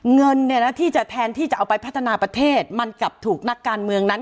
เงินเนี่ยนะที่จะแทนที่จะเอาไปพัฒนาประเทศมันกลับถูกนักการเมืองนั้น